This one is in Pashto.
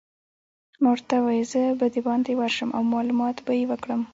ما ورته وویل: زه به دباندې ورشم او معلومات به يې وکړم.